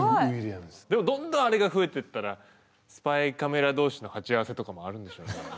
でもどんどんあれが増えてったらスパイカメラ同士の鉢合わせとかもあるんでしょうね。